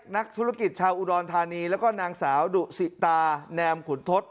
นักธุรกิจชาวอุดรธานีแล้วก็นางสาวดุสิตาแนมขุนทศ